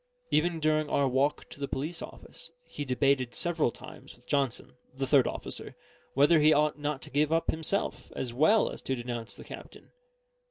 Even during our walk to the police office, he debated several times with Johnson, the third officer, whether he ought not to give up himself, as well as to denounce the captain.